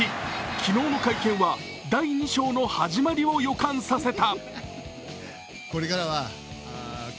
昨日の会見は第２章の始まりを予感させた。